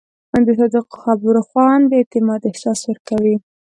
د صادقو خبرو خوند د اعتماد احساس ورکوي.